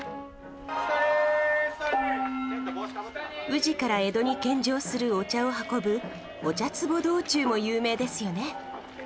宇治から江戸に献上するお茶を運ぶお茶壺道中も有名ですよね。